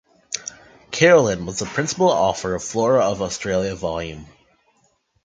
Carolin was the principal author of Flora of Australia Vol.